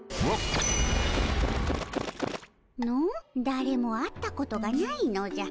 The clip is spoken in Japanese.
だれも会ったことがないのじゃ。